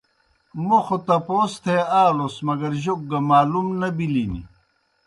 موْ خو تپوس تھے آلُس مگر جوک گہ معلوم نہ بِلِن۔